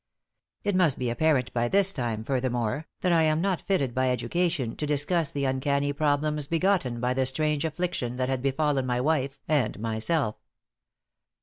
It must be apparent by this time, furthermore, that I am not fitted by education to discuss the uncanny problems begotten by the strange affliction that had befallen my wife and myself.